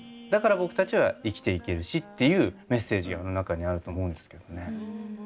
だから僕たちは生きていけるしっていうメッセージがあの中にあると思うんですけどね。